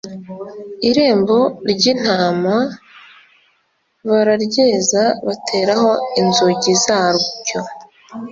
irembo ry intama bararyeza bateraho inzugi zaryo